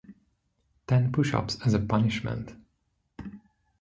Ten push-ups as a punishment!